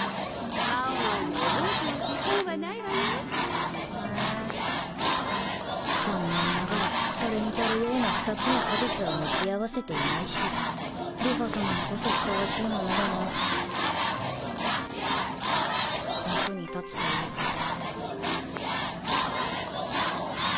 猫猫も覚えておいて損はないふん残念ながらそれに足るような２つの果実は持ち合わせていないし梨花さまにこそふさわしいものだな役に立つといいけど。